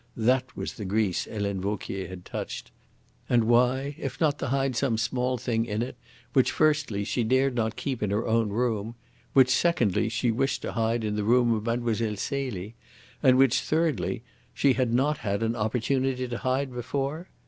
That was the grease Helene Vauquier had touched. And why if not to hide some small thing in it which, firstly, she dared not keep in her own room; which, secondly, she wished to hide in the room of Mlle. Celie; and which, thirdly, she had not had an opportunity to hide before?